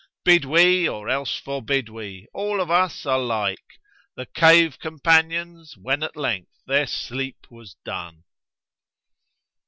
Bid we or else forbid we, all of us are like * The Cave companions[FN#148] when at length their sleep was done."